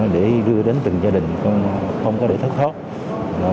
để đưa đến từng gia đình không có để thất thoát